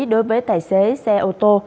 đối với tài xế xe ô tô